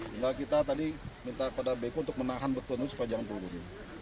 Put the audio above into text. sehingga kita tadi minta pada bku untuk menahan beton itu supaya jangan turun